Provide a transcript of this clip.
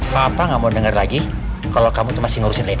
papa gak mau denger lagi kalau kamu masih ngurusin lady